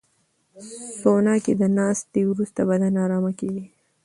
سونا کې د ناستې وروسته بدن ارامه کېږي.